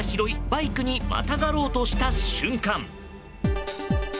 バイクにまたがろうとした瞬間